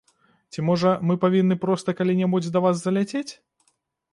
Ці можа, мы павінны проста калі-небудзь да вас заляцець?